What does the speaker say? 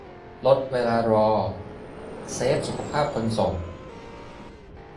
- ลดเวลารอ เซฟสุขภาพคนส่ง